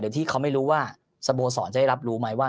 ที่เขาไม่รู้ว่าสโมสรจะได้รับรู้ไหมว่า